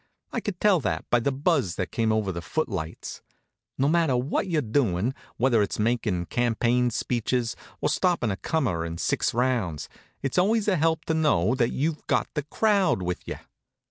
I could tell that by the buzz that came over the footlights. No matter what you're doin', whether it's makin' campaign speeches, or stoppin' a comer in six rounds, it's always a help to know that you've got the crowd with you.